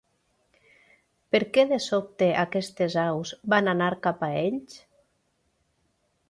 Per què, de sobte, aquestes aus van anar cap a ells?